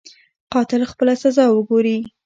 قاتل خپله سزا وګوري.